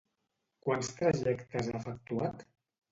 Quants trajectes ha efectuat?